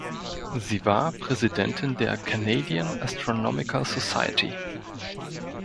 Sie war Präsidentin der Canadian Astronomical Society.